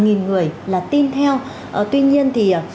nghìn người là tin theo tuy nhiên thì